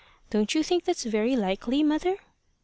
Don't you think that's very likely, mother?"